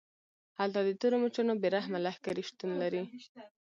هلته د تورو مچانو بې رحمه لښکرې شتون لري